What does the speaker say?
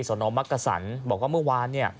สนมักกษันบอกว่าเมื่อวาน